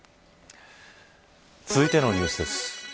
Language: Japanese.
続いてのニュースです。